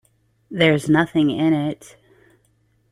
There's nothing in it.